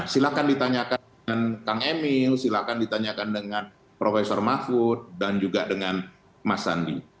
silahkan ditanyakan kang emil silahkan ditanyakan dengan profesor mahfud dan juga dengan mas adi